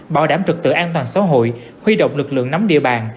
bảo đảm trực tự an toàn xã hội huy động lực lượng nắm địa bàn